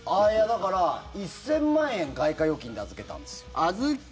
だから、１０００万円外貨預金で預けたんですよ。